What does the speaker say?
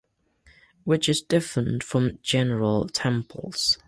Which is different from general temples.